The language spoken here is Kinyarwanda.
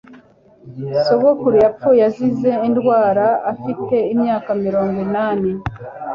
Sogokuru yapfuye azize indwara afite imyaka mirongo inani.